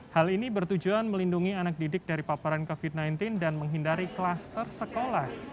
hal ini bertujuan melindungi anak didik dari paparan covid sembilan belas dan menghindari klaster sekolah